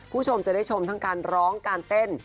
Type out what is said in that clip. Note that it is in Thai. คุณผู้ชมจะได้ชมทั้งการร้องการเต้น